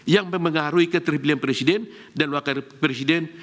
yang memengaruhi keterlian presiden dan wakil presiden